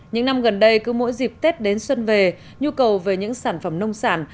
những năm gần đây cứ mỗi dịp tết đến xuân về nhu cầu về những sản phẩm nông sản